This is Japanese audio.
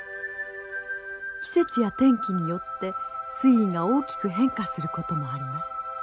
季節や天気によって水位が大きく変化することもあります。